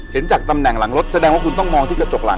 จากตำแหน่งหลังรถแสดงว่าคุณต้องมองที่กระจกหลัง